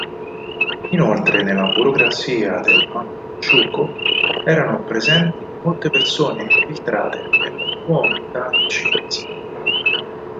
Inoltre nella burocrazia del Manchukuo erano presenti molte persone infiltrate del Kuomintang cinese.